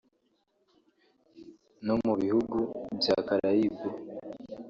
no mu bihugu bya Caraïbe